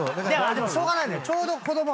でもしょうがないの。